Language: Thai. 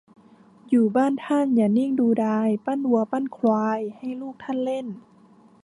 อยู่บ้านท่านอย่านิ่งดูดาย ปั้นวัวปั้นควายให้ลูกท่านเล่น